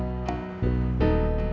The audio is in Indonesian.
aku mau ke tempat usaha